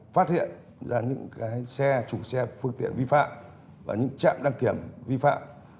phát hiện ra những cái xe chủ xe phương tiện vi phạm và những trạm đăng kiểm vi phạm